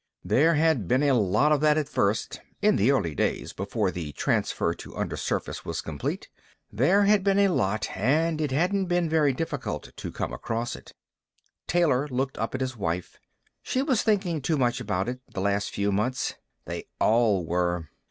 There had been a lot of that at first, in the early days before the transfer to undersurface was complete. There had been a lot, and it hadn't been very difficult to come across it. Taylor looked up at his wife. She was thinking too much about it, the last few months. They all were.